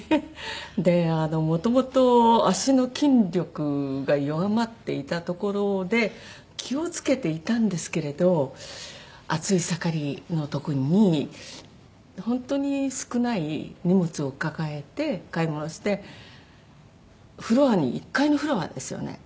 であのもともと足の筋力が弱まっていたところで気を付けていたんですけれど暑い盛りの時に本当に少ない荷物を抱えて買い物してフロアに１階のフロアですよね。